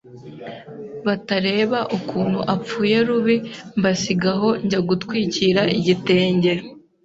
batareba ukuntu apfuye rubi mbasiga aho njya gutwikira igitenge